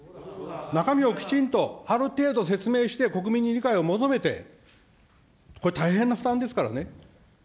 中身をきちんとある程度説明して、国民に理解を求めて、これ、大変な負担ですからね。